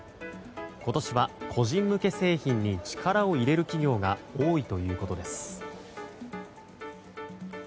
今年は個人向け製品に力を入れる企業が多いということです。